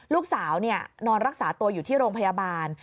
ลูกสาวนอนรักษาตัวอยู่ที่โรงพยาบาล